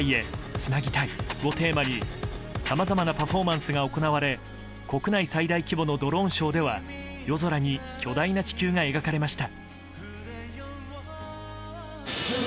つなぎたい。」をテーマにさまざまなパフォーマンスが行われ国内最大規模のドローンショーでは夜空に巨大な地球が描かれました。